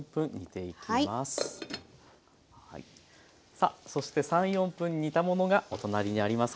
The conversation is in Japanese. さあそして３４分煮たものがお隣にあります。